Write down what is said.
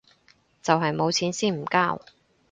就係冇錢先唔交